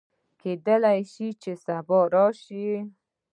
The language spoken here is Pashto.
کېدی شي چې سبا راشي